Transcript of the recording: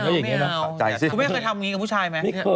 คุณแม่เคยทำแบบนี้กับผู้ชายไหม